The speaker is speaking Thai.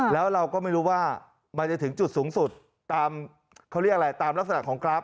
แล้วเราก็ไม่รู้ว่ามันจะถึงจุดสูงสุดตามเขาเรียกอะไรตามลักษณะของกราฟ